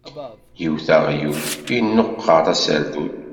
Iwwet aɣyul, inuqeṛ aserdun.